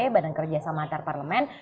badan kerja sama antarparlemen